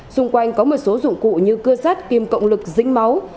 xung quanh có một số dụng cụ như cưa sát kim cộng lực dính máu